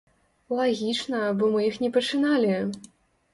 Лагічна, бо мы іх не пачыналі.